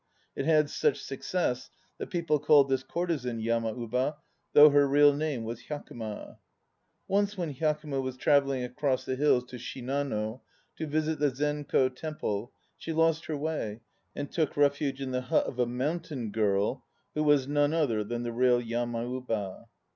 It had such success that people called this courtesan "Yamauba" though her real name was Hyakuma. Once when Hyakuma was travelling across the hills to Shinano to visit the Zenko Temple, she lost her way, and took refuge in the hut of a "mountain girl," who was none other than the real Yamauba.